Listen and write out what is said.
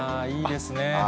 いいですね。